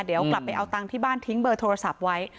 เดี๋ยวกลับไปเอาตังค์ที่บ้านทิ้งเบอร์โทรศัพท์ไว้